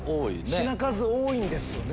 品数多いんですよね。